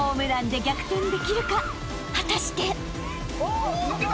［果たして？］